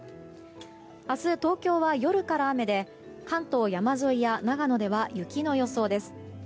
明日、東京は夜から雨で関東山沿いや長野では雪の予想です。